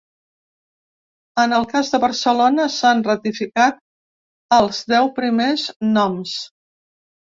En el cas de Barcelona s’han ratificat els deu primers noms.